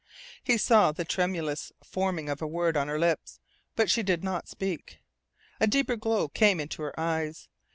He saw the tremulous forming of a word on her lips, but she did not speak. A deeper glow came into her eyes.